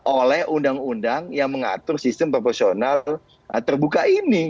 oleh undang undang yang mengatur sistem proporsional terbuka ini